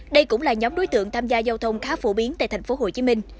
đây cũng là nhóm đối tượng tham gia giao thông khá phổ biến tại thành phố hồ chí minh